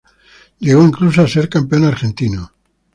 Llegó incluso a ser campeón argentino.